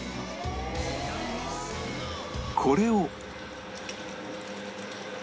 これを